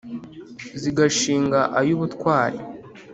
zigashinga ay'ubutwari